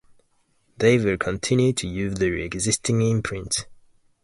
They will continue to use their existing imprints.